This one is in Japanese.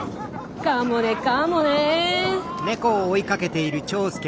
かもねかもね。